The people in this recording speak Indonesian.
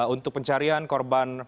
untuk pencarian korban